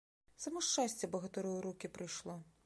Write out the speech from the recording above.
Само шчасце багатыру ў рукі прыйшло.